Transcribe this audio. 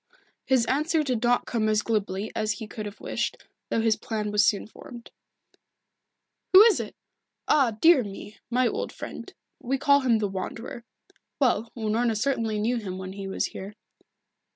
His answer did not come as glibly as he could have wished, though his plan was soon formed. "Who is it! Ah, dear me! My old friend. We call him the Wanderer. Well, Unorna certainly knew him when he was here."